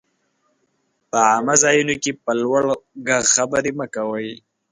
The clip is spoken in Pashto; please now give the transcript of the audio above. په عامه ځايونو کي په لوړ ږغ خبري مه کوئ!